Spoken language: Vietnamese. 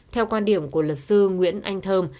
theo quan điểm của luật sư nguyễn anh thơm